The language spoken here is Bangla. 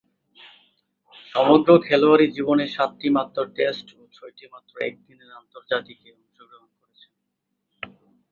সমগ্র খেলোয়াড়ী জীবনে সাতটিমাত্র টেস্ট ও ছয়টিমাত্র একদিনের আন্তর্জাতিকে অংশগ্রহণ করেছেন।